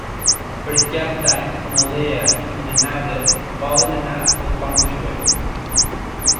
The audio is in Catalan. Per Cap d'Any na Lea i na Nara volen anar al Pont de Suert.